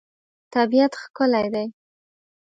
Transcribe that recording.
طبیعت ښکلی دی.